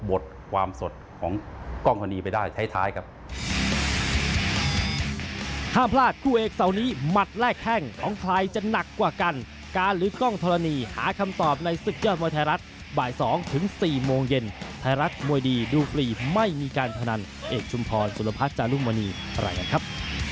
หมดความสดของกล้องคนนี้ไปได้ท้ายครับ